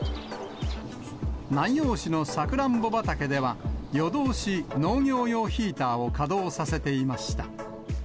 南陽市のサクランボ畑では、夜通し農業用ヒーターを稼働させていました。